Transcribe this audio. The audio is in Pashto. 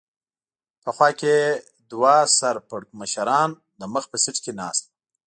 په خوا کې یې دوه سر پړکمشران د مخ په سېټ کې ناست و.